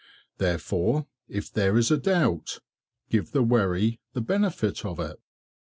Therefore, if there is a doubt, give the wherry the benefit of it.